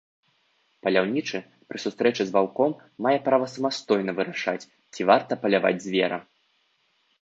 Паляўнічы пры сустрэчы з ваўком мае права самастойна вырашаць, ці варта паляваць звера.